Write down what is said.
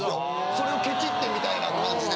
それをケチってみたいな感じで。